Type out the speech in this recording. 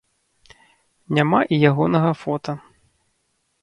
Няма і ягонага фота.